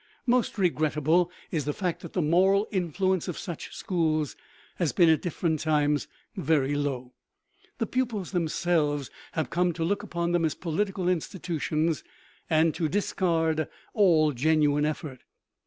Most regrettable is the fact that the moral influence of such schools has been at different times very low. The pupils themselves have come to look upon them as political institutions and to discard all genuine effort.